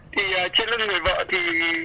thì trên lưng người vợ thì